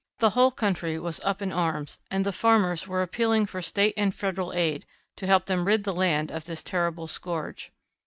The whole country was up in arms and the farmers were appealing for State and Federal aid to help them rid the land of this terrible scourge.